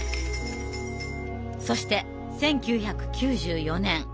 そして１９９４年。